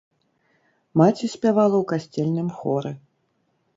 Маці спявала ў касцельным хоры.